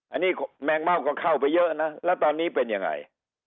อันนี้แมงเม่าก็เข้าไปเยอะนะแล้วตอนนี้เป็นยังไง